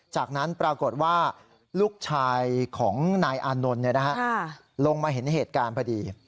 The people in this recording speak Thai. จากนั้นปรากฏว่าลูกชายของนายอานนท์ลงมาเห็นเหตุการณ์พอดี